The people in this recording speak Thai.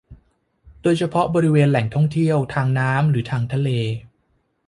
โดยเฉพาะบริเวณแหล่งท่องเที่ยวทางน้ำหรือทางทะเล